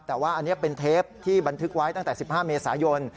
แต่ว่าอันนี้เป็นเทปที่บันทึกไว้ตั้งแต่๑๕เมษายน